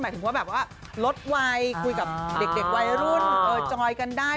ถึงว่าแบบว่าลดวัยคุยกับเด็กวัยรุ่นจอยกันได้